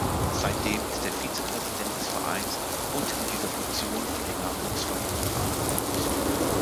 Seitdem ist er Vizepräsident des Vereins und in dieser Funktion für die Nachwuchsförderung verantwortlich.